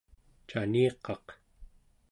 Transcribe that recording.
caniqaq